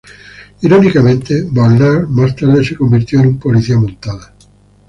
Irónicamente, Barnard más tarde se convirtió en un policía montado.